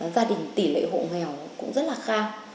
gia đình tỷ lệ hộ nghèo cũng rất là cao